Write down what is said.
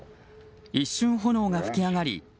一瞬、炎が噴き上がり